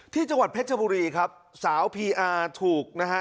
ที่จังหวัดเพชรบุรีครับสาวพีอาร์ถูกนะฮะ